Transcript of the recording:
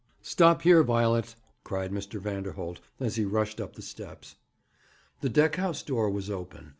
'Stop here, Violet!' cried Mr. Vanderholt; and he rushed up the steps. The deck house door was open.